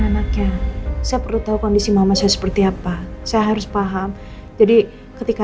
anaknya saya perlu tahu kondisi mama saya seperti apa saya harus paham jadi ketika